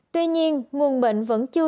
tuy nhiên nguồn bệnh vẫn chưa